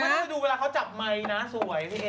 น่าจะดูเวลาเขาจับไมค์นะสวยพี่เอ